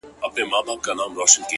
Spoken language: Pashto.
• هغې ويله ځمه د سنگسار مخه يې نيسم؛